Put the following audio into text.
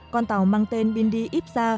con tàu mang tên bindi ipsa